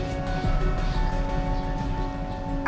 kamu tenang aja sayang